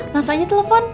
langsung aja telepon